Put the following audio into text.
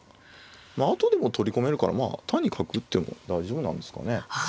まあ後でも取り込めるから単に角打っても大丈夫なんですかね。